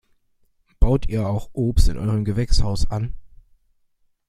Baut ihr auch Obst in eurem Gewächshaus an?